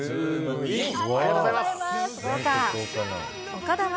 ありがとうございます。